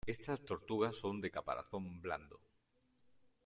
Estas tortugas son de caparazón blando.